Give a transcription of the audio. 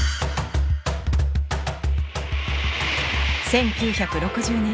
１９６０年